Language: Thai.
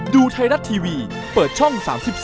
ดูไทยรัฐทีวีเปิดช่อง๓๒